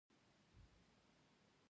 د احمد خیل ولسوالۍ غرنۍ ده